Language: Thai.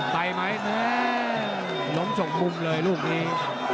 ไปไหมล้มฉกมุมเลยลูกนี้